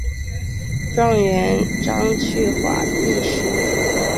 状元张去华第十子。